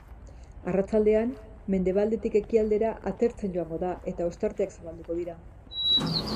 Arratsaldean, mendebaldetik ekialdera atertzen joango da eta ostarteak zabalduko dira.